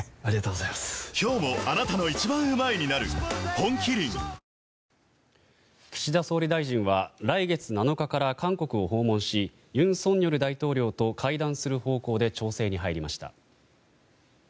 本麒麟岸田総理大臣は来月７日から韓国を訪問し尹錫悦大統領と会談する方向で調整に入りました。